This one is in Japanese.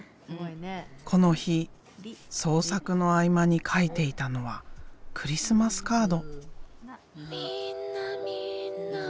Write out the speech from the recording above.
この日創作の合間に書いていたのはクリスマスカード。